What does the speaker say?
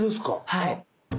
はい。